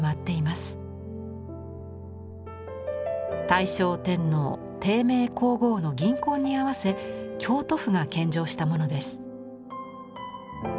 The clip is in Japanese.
大正天皇貞明皇后の銀婚に合わせ京都府が献上したものです。